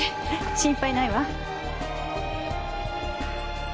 心配ないわ。